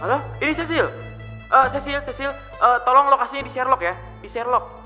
halo ini sesuai sesuai sesuai tolong lokasinya di sherlock ya di sherlock